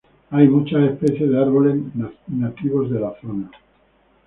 Hay muchas especies de árboles nativos de la zona.